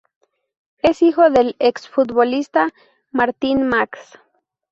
Es hijo del exfutbolista Martin Max.